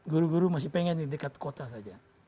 guru guru masih pengen di dekat kota saja